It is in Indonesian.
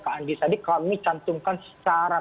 pak andi tadi kami cantumkan secara